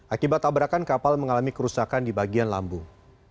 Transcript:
akibat tabrakan kapal mengalami kerusakan di bagian lambung